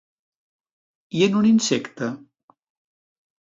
I en un insecte?